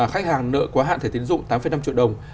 khách hàng nợ quá hạn thẻ tiến dụng tám năm triệu đồng